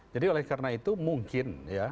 jadi oleh karena itu mungkin